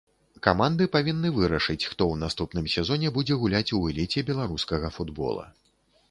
Каманды павінны вырашыць, хто ў наступным сезоне будзе гуляць у эліце беларускага футбола.